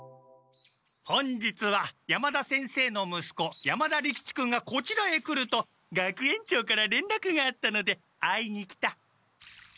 本日は山田先生のむすこ山田利吉君がこちらへ来ると学園長かられんらくがあったので会いに来た。